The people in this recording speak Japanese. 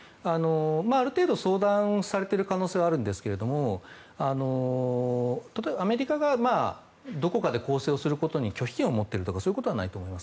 ある程度、相談されている可能性はあるんですけれどもアメリカがどこかで攻勢をすることに拒否権を持っているということはないと思います。